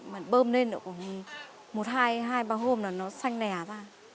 mà bơm lên nữa cũng một hai hai ba hôm là nó xanh nẻ ra